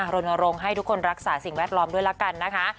รณรงค์ให้ทุกคนรักษาสิ่งแวดล้อมด้วยละกันนะคะ